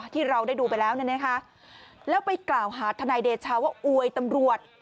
ที่เราได้ดูไปแล้วเนี่ยนะคะแล้วไปกล่าวหาทนายเดชาว่าอวยตำรวจ